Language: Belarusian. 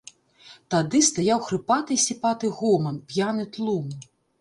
Тады стаяў хрыпаты і сіпаты гоман, п'яны тлум.